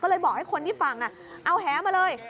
ก็เลยบอกให้คนที่ฟังเอาแหมาเลย